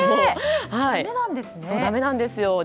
だめなんですよ。